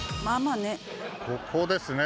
ここですね